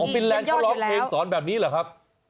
ฟินแลนดเขาร้องเพลงสอนแบบนี้เหรอครับ